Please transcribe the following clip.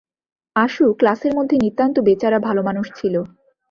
আশু ক্লাসের মধ্যে নিতান্ত বেচারা ভালোমানুষ ছিল।